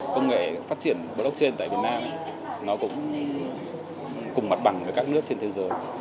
công nghệ phát triển blockchain tại việt nam nó cũng cùng mặt bằng với các nước trên thế giới